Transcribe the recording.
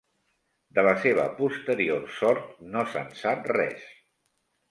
De la seva posterior sort no se'n sap res.